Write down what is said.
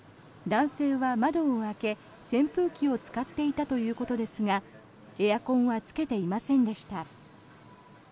男性は窓を開け、扇風機を使っていたということですがエアコンはつけていませんでした。